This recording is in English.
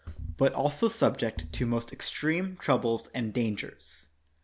but also subject to most extreme troubles and dan gers.